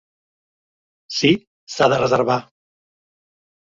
Sí, s'ha de reservar.